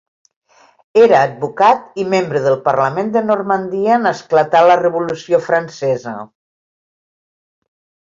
Era advocat i membre del parlament de Normandia en esclatar la Revolució Francesa.